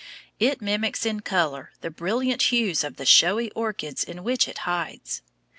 It mimics in color the brilliant hues of the showy orchids in which it hides.